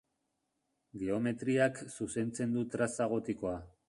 Geometriak zuzentzen du traza gotikoa.